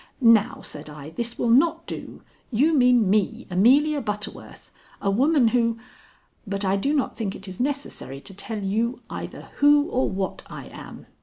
"Now," said I, "this will not do. You mean me, Amelia Butterworth; a woman who but I do not think it is necessary to tell you either who or what I am.